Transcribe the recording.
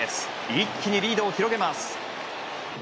一気にリードを広げます。